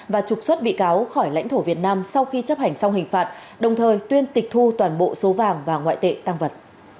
và trục xuất bị cáo khỏi lãnh thổ việt nam sau khi chấp hành xong hình phạt đồng thời tuyên tịch thu toàn bộ số vàng và ngoại tệ tăng vật